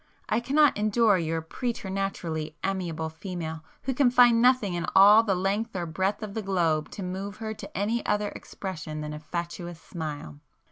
I cannot endure your preternaturally amiable female who can find nothing in all the length or breadth of the globe to move her to any other expression than a fatuous smile.